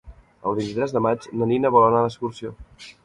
El vint-i-tres de maig na Nina vol anar d'excursió.